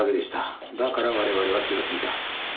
だから我々は気がついた。